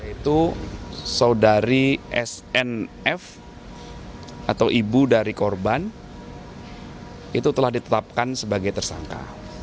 itu saudari snf atau ibu dari korban itu telah ditetapkan sebagai tersangka